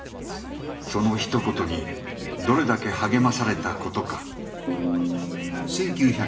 そのひと言にどれだけ励まされたことか。